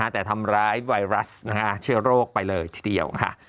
แต่ทำร้ายไวรัสเชื้อโรคไปเลยทีเดียวค่ะ